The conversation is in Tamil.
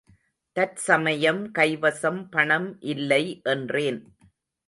தற்சமயம் கைவசம் பணம் இல்லை என்றேன்.